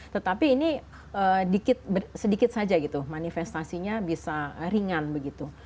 tetapi ini sedikit saja gitu manifestasinya bisa ringan begitu